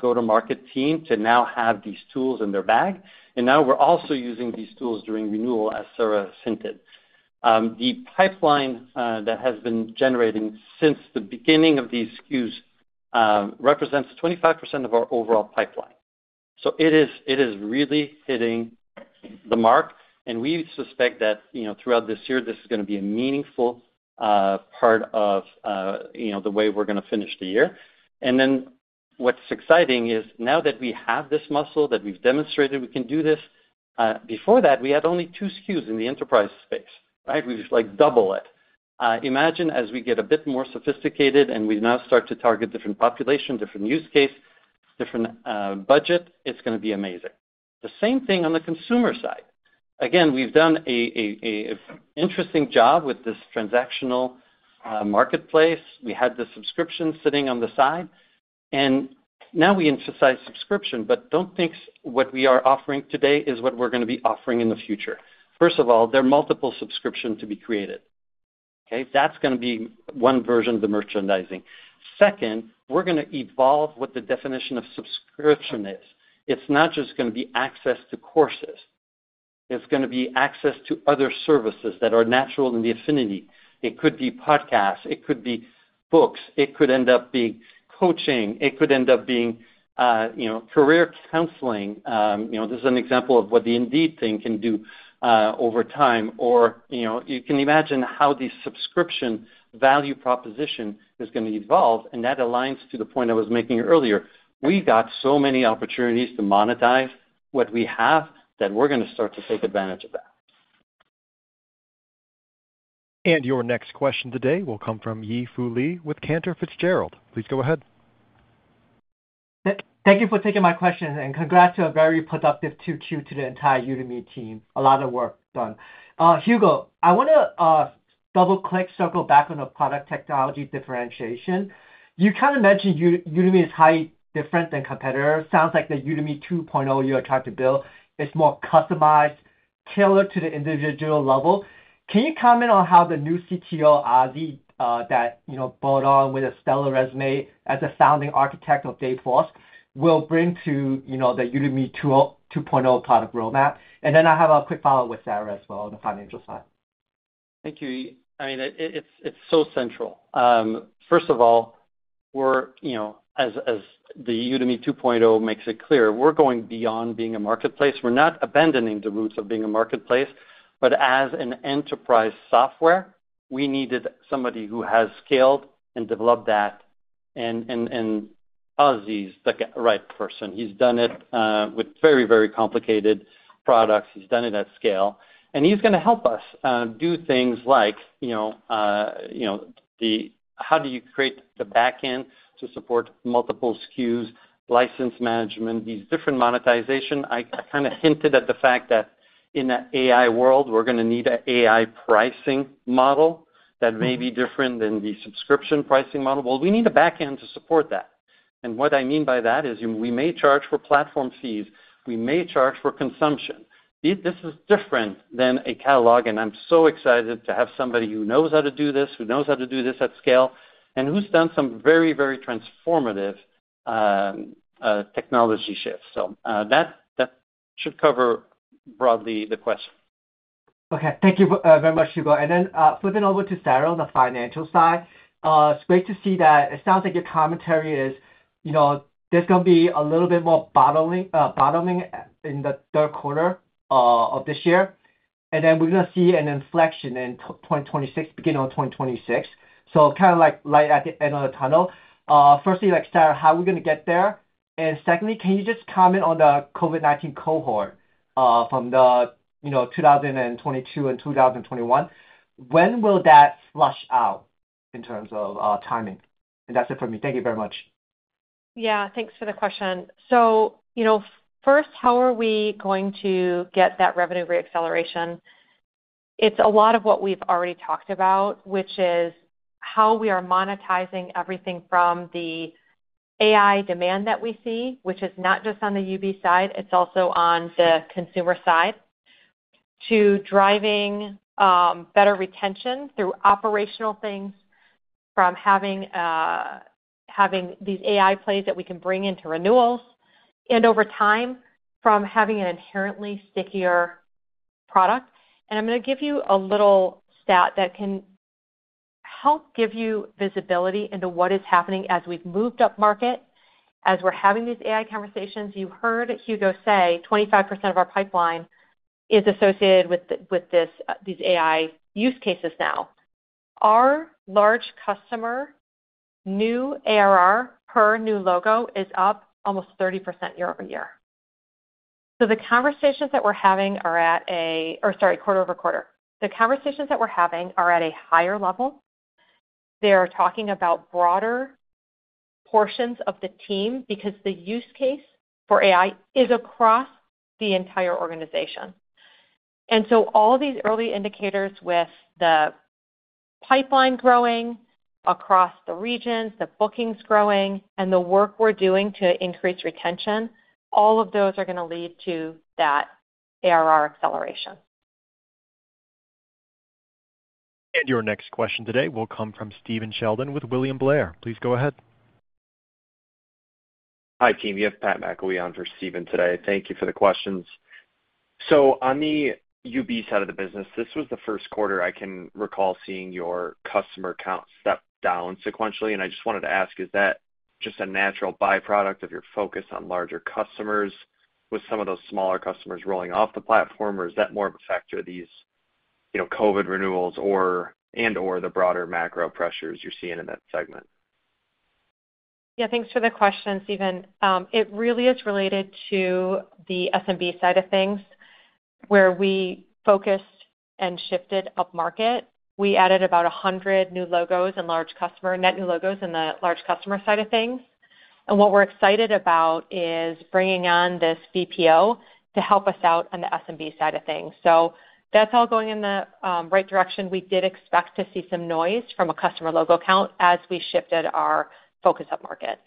go-to-market team to now have these tools in their bag. We are also using these tools during renewal, as Sarah hinted. The pipeline that has been generating since the beginning of these SKUs represents 25% of our overall pipeline. It is really hitting the mark. We suspect that throughout this year, this is going to be a meaningful part of the way we are going to finish the year. What's exciting is now that we have this muscle that we've demonstrated, we can do this. Before that, we had only two SKUs in the enterprise space. We've doubled it. Imagine as we get a bit more sophisticated and we now start to target different populations, different use cases, different budget, it's going to be amazing. The same thing on the consumer side. We've done an interesting job with this transactional marketplace. We had the subscription sitting on the side. Now we emphasize subscription, but don't think what we are offering today is what we're going to be offering in the future. First of all, there are multiple subscriptions to be created. That's going to be one version of the merchandising. Second, we are going to evolve what the definition of subscription is. It's not just going to be access to courses. It's going to be access to other services that are natural in the affinity. It could be podcasts. It could be books. It could end up being coaching. It could end up being career counseling. This is an example of what the Indeed thing can do over time. You can imagine how the subscription value proposition is going to evolve. That aligns to the point I was making earlier. We got so many opportunities to monetize what we have that we are going to start to take advantage of that. Your next question today will come from Yi Fu Lee with Cantor Fitzgerald. Please go ahead. Thank you for taking my question, and congrats to a very productive Q2 to the entire Udemy team. A lot of work done. Hugo, I want to double-click, circle back on the product technology differentiation. You kind of mentioned Udemy is highly different than competitors. It sounds like the Udemy 2.0 you're trying to build is more customized, tailored to the individual level. Can you comment on how the new Chief Technology Officer, Azi, that you brought on with a stellar resume as a founding architect of Dave Forrest will bring to the Udemy 2.0 product roadmap? I have a quick follow-up with Sarah as well on the financial side. Thank you. I mean, it's so central. First of all, as the Udemy 2.0 makes it clear, we're going beyond being a marketplace. We're not abandoning the roots of being a marketplace. As an enterprise software, we needed somebody who has scaled and developed that. Azi is the right person. He's done it with very, very complicated products. He's done it at scale. He's going to help us do things like, how do you create the backend to support multiple SKUs, license management, these different monetizations? I kind of hinted at the fact that in the AI world, we're going to need an AI pricing model that may be different than the subscription pricing model. We need a backend to support that. What I mean by that is we may charge for platform fees. We may charge for consumption. This is different than a catalog. I'm so excited to have somebody who knows how to do this, who knows how to do this at scale, and who's done some very, very transformative technology shifts. That should cover broadly the question. OK, thank you very much, Hugo. Flipping over to Sarah on the financial side, it's great to see that it sounds like your commentary is, you know, there's going to be a little bit more bottoming in the third quarter of this year. We're going to see an inflection in the beginning of 2026, kind of like light at the end of the tunnel. Firstly, Sarah, how are we going to get there? Secondly, can you just comment on the COVID-19 cohort from the 2022 and 2021? When will that flush out in terms of timing? That's it for me. Thank you very much. Yeah, thanks for the question. First, how are we going to get that revenue reacceleration? It's a lot of what we've already talked about, which is how we are monetizing everything from the AI demand that we see, which is not just on the Udemy Business side. It's also on the consumer side to driving better retention through operational things, from having these AI plays that we can bring into renewals and over time, from having an inherently stickier product. I'm going to give you a little stat that can help give you visibility into what is happening as we've moved up market. As we're having these AI conversations, you heard Hugo say 25% of our pipeline is associated with these AI use cases now. Our large customer new ARR per new logo is up almost 30% quarter over quarter. The conversations that we're having are at a higher level. They are talking about broader portions of the team because the use case for AI is across the entire organization. All of these early indicators with the pipeline growing across the regions, the bookings growing, and the work we're doing to increase retention, all of those are going to lead to that ARR acceleration. Your next question today will come from Stephen Sheldon with William Blair. Please go ahead. Hi, team. You have Pat McAuley on for Stephen today. Thank you for the questions. On the Udemy Business side of the business, this was the first quarter I can recall seeing your customer count step down sequentially. I just wanted to ask, is that just a natural byproduct of your focus on larger customers with some of those smaller customers rolling off the platform? Is that more of a factor of these legacy COVID-era contracts renewals and/or the broader macro pressures you're seeing in that segment? Yeah, thanks for the question, Stephen. It really is related to the SMB side of things where we focused and shifted up market. We added about 100 new logos and large customer net new logos in the large customer side of things. What we're excited about is bringing on this BPO to help us out on the SMB side of things. That's all going in the right direction. We did expect to see some noise from a customer logo count as we shifted our focus up market.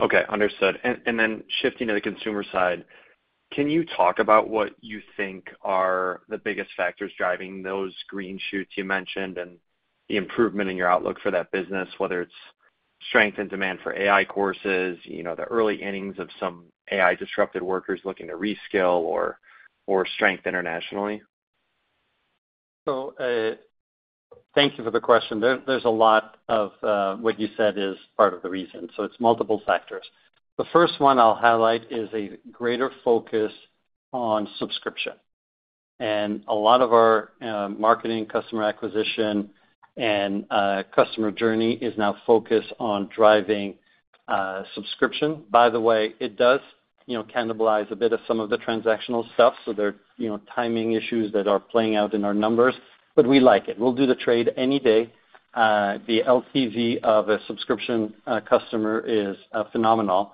OK, understood. Shifting to the consumer side, can you talk about what you think are the biggest factors driving those green shoots you mentioned and the improvement in your outlook for that business, whether it's strength in demand for AI courses, the early innings of some AI-disrupted workers looking to reskill, or strength internationally? Thank you for the question. There's a lot of what you said is part of the reason. It's multiple factors. The first one I'll highlight is a greater focus on subscription. A lot of our marketing, customer acquisition, and customer journey is now focused on driving subscription. By the way, it does cannibalize a bit of some of the transactional stuff. There are timing issues that are playing out in our numbers. We like it. We'll do the trade any day. The LTV of a subscription customer is phenomenal.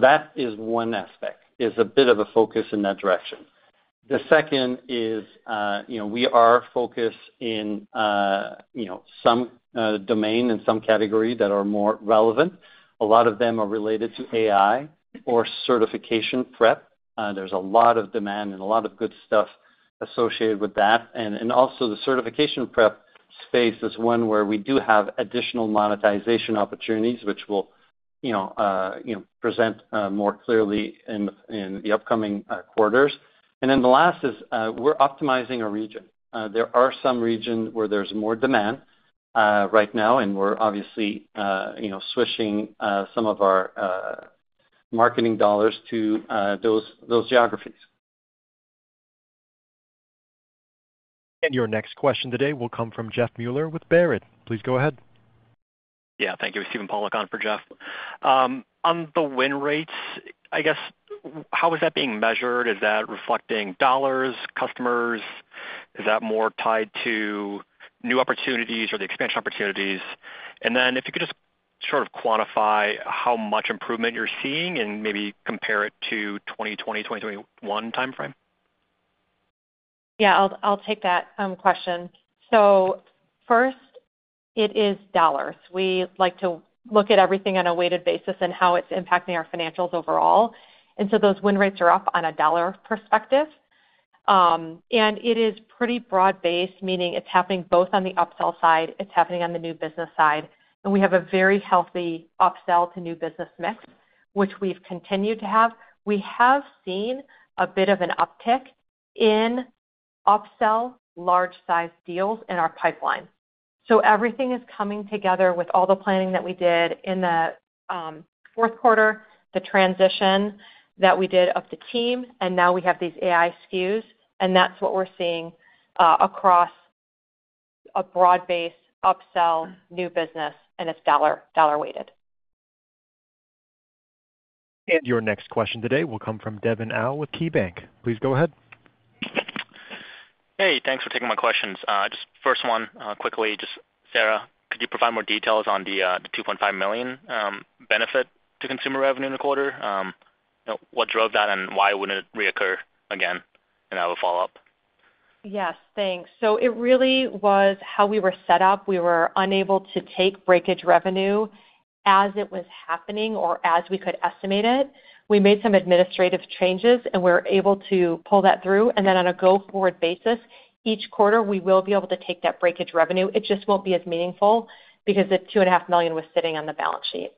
That is one aspect, is a bit of a focus in that direction. The second is we are focused in some domain and some category that are more relevant. A lot of them are related to AI or certification prep. There's a lot of demand and a lot of good stuff associated with that. Also, the certification prep space is one where we do have additional monetization opportunities, which we'll present more clearly in the upcoming quarters. The last is we're optimizing our region. There are some regions where there's more demand right now, and we're obviously switching some of our marketing dollars to those geographies. Your next question today will come from Jeff Meuler with Baird. Please go ahead. Thank you. Stephen Pollack on for Jeff. On the win rates, how is that being measured? Is that reflecting dollars, customers? Is that more tied to new opportunities or the expansion opportunities? If you could just sort of quantify how much improvement you're seeing and maybe compare it to the 2020, 2021 timeframe? I'll take that question. First, it is dollars. We like to look at everything on a weighted basis and how it's impacting our financials overall. Those win rates are up on a dollar perspective. It is pretty broad-based, meaning it's happening both on the upsell side and on the new business side. We have a very healthy upsell to new business mix, which we've continued to have. We have seen a bit of an uptick in upsell large-size deals in our pipeline. Everything is coming together with all the planning that we did in the fourth quarter, the transition that we did of the team. Now we have these AI SKUs, and that's what we're seeing across a broad-based upsell new business, and it's dollar-weighted. Your next question today will come from Devin Au with KeyBanc Capital Markets. Please go ahead. Hey, thanks for taking my questions. Just first one, quickly, just Sarah, could you provide more details on the $2.5 million benefit to consumer revenue in the quarter? What drove that and why would it reoccur again? I will follow up. Yes, thanks. It really was how we were set up. We were unable to take breakage revenue as it was happening or as we could estimate it. We made some administrative changes, and we were able to pull that through. On a go-forward basis, each quarter, we will be able to take that breakage revenue. It just won't be as meaningful because the $2.5 million was sitting on the balance sheet.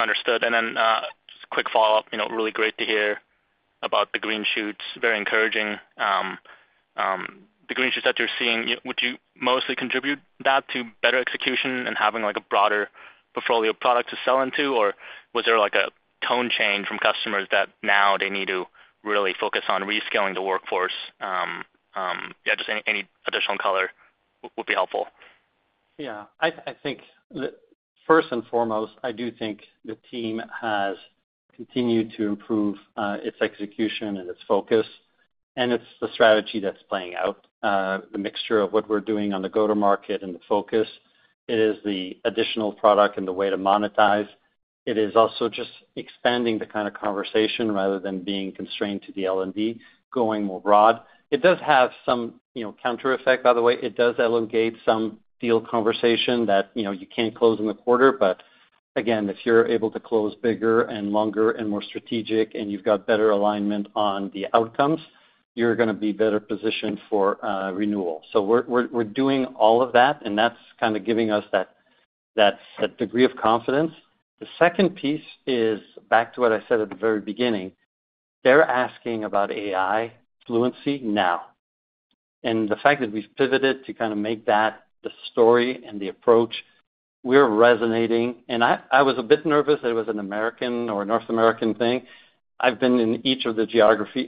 Understood. A quick follow-up, really great to hear about the green shoots, very encouraging. The green shoots that you're seeing, would you mostly contribute that to better execution and having a broader portfolio of products to sell into? Was there a tone change from customers that now they need to really focus on reskilling the workforce? Any additional color would be helpful. Yeah, I think first and foremost, I do think the team has continued to improve its execution and its focus. It's the strategy that's playing out, the mixture of what we're doing on the go-to-market and the focus. It is the additional product and the way to monetize. It is also just expanding the kind of conversation rather than being constrained to the L&D, going more broad. It does have some countereffect, by the way. It does elongate some deal conversation that you can't close in the quarter. Again, if you're able to close bigger and longer and more strategic and you've got better alignment on the outcomes, you're going to be better positioned for renewal. We're doing all of that, and that's kind of giving us that degree of confidence. The second piece is back to what I said at the very beginning. They're asking about AI fluency now. The fact that we've pivoted to kind of make that the story and the approach, we're resonating. I was a bit nervous that it was an American or a North American thing. I've been in each of the geographies.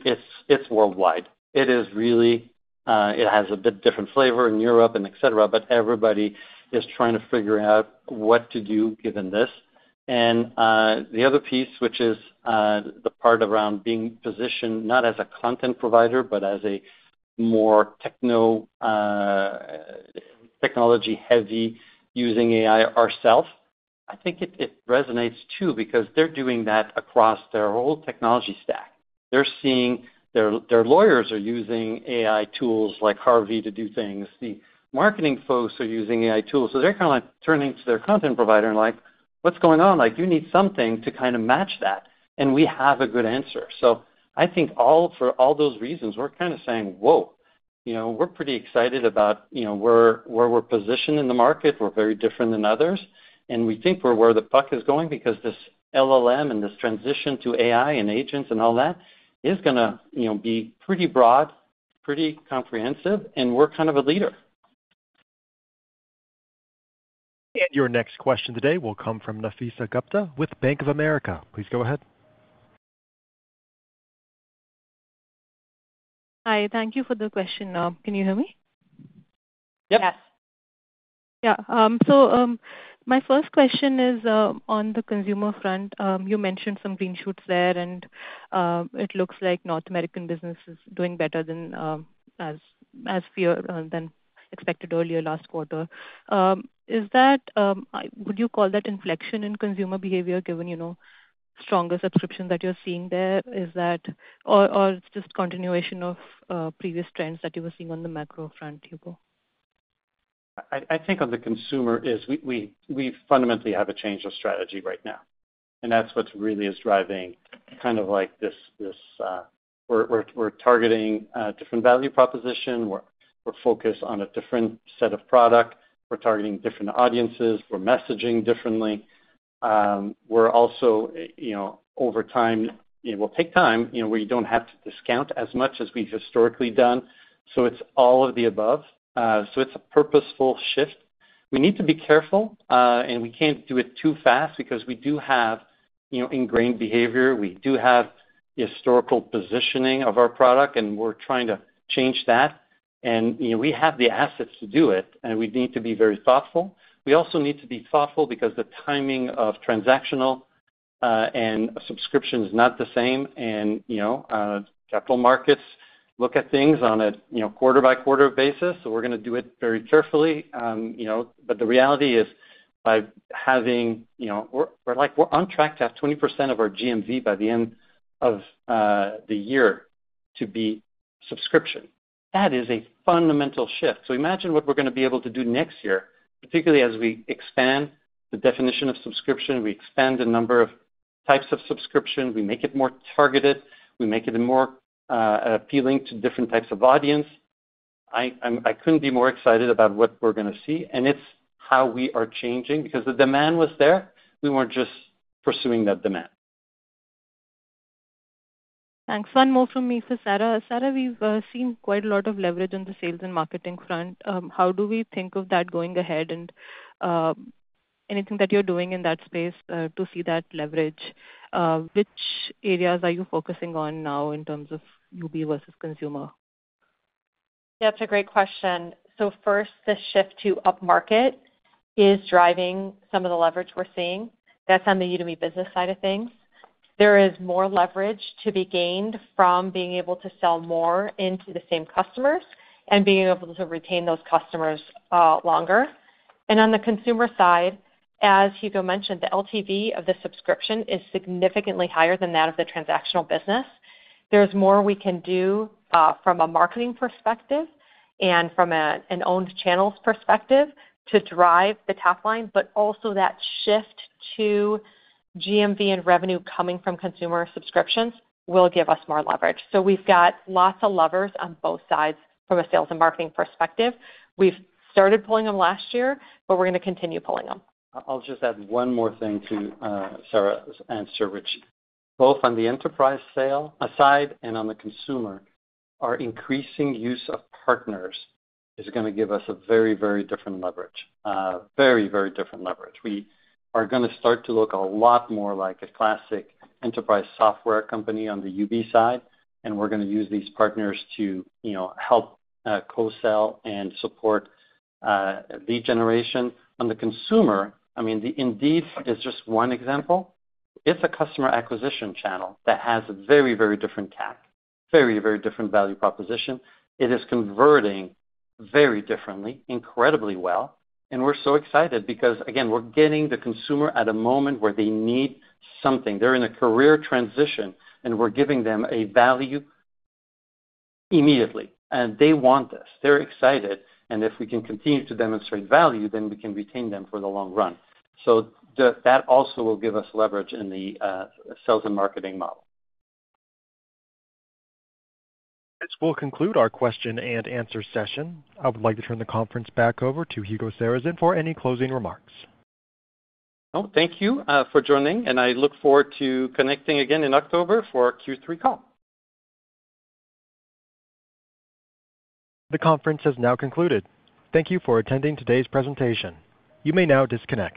It's worldwide. It is really, it has a bit different flavor in Europe and et cetera. Everybody is trying to figure out what to do given this. The other piece, which is the part around being positioned not as a content provider, but as a more technology-heavy using AI ourselves, I think it resonates too because they're doing that across their whole technology stack. They're seeing their lawyers are using AI tools like Harvey to do things. The marketing folks are using AI tools. They're kind of like turning to their content provider and like, what's going on? You need something to kind of match that. We have a good answer. I think for all those reasons, we're kind of saying, whoa. We're pretty excited about where we're positioned in the market. We're very different than others. We think we're where the puck is going because this LLM and this transition to AI and agents and all that is going to be pretty broad, pretty comprehensive. We're kind of a leader. Your next question today will come from Nafeesa Gupta with Bank of America. Please go ahead. Hi, thank you for the question. Can you hear me? Yep. Yes. Yeah. My first question is on the consumer front. You mentioned some green shoots there, and it looks like North American business is doing better than expected earlier last quarter. Would you call that inflection in consumer behavior given stronger subscriptions that you're seeing there? Is that, or it's just a continuation of previous trends that you were seeing on the macro front, Hugo? I think on the consumer is we fundamentally have a change of strategy right now. That's what really is driving kind of like this. We're targeting a different value proposition. We're focused on a different set of products. We're targeting different audiences. We're messaging differently. Over time, we'll take time, where you don't have to discount as much as we've historically done. It's all of the above. It's a purposeful shift. We need to be careful, and we can't do it too fast because we do have ingrained behavior. We do have the historical positioning of our product, and we're trying to change that. We have the assets to do it, and we need to be very thoughtful. We also need to be thoughtful because the timing of transactional and subscription is not the same. Capital markets look at things on a quarter-by-quarter basis. We're going to do it very carefully. The reality is by having, we're on track to have 20% of our GMV by the end of the year to be subscription. That is a fundamental shift. Imagine what we're going to be able to do next year, particularly as we expand the definition of subscription. We expand the number of types of subscription. We make it more targeted. We make it more appealing to different types of audience. I couldn't be more excited about what we're going to see. It's how we are changing because the demand was there. We weren't just pursuing that demand. Thanks. One more from me for Sarah. Sarah, we've seen quite a lot of leverage on the sales and marketing front. How do we think of that going ahead? Is there anything that you're doing in that space to see that leverage? Which areas are you focusing on now in terms of Udemy Business versus consumer? Yeah, that's a great question. First, the shift to upmarket is driving some of the leverage we're seeing. That's on the Udemy Business side of things. There is more leverage to be gained from being able to sell more into the same customers and being able to retain those customers longer. On the consumer side, as Hugo mentioned, the LTV of the subscription is significantly higher than that of the transactional business. There's more we can do from a marketing perspective and from an owned channels perspective to drive the top line. That shift to GMV and revenue coming from consumer subscriptions will give us more leverage. We've got lots of levers on both sides from a sales and marketing perspective. We started pulling them last year, and we're going to continue pulling them. I'll just add one more thing to Sarah's answer, which both on the enterprise sale side and on the consumer, our increasing use of partners is going to give us a very, very different leverage, very, very different leverage. We are going to start to look a lot more like a classic enterprise software company on the Udemy Business side, and we're going to use these partners to help co-sell and support lead generation. On the consumer, I mean, Indeed is just one example. It's a customer acquisition channel that has a very, very different CAC, very, very different value proposition. It is converting very differently, incredibly well. We're so excited because, again, we're getting the consumer at a moment where they need something. They're in a career transition, and we're giving them a value immediately. They want this. They're excited. If we can continue to demonstrate value, then we can retain them for the long run. That also will give us leverage in the sales and marketing model. This will conclude our question and answer session. I would like to turn the conference back over to Hugo Sarrazin for any closing remarks. Thank you for joining. I look forward to connecting again in October for our Q3 call. The conference has now concluded. Thank you for attending today's presentation. You may now disconnect.